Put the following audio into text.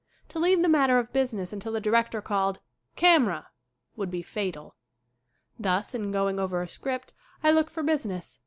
To leave the matter of business until the director called "Camera !" would be fatal. Thus in going over a script I look for busi ness.